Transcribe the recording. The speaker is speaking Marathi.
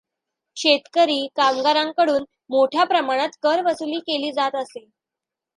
शेतकरी, कामगारांकडून मोठ्या प्रमाणात करवसुली केली जात असे.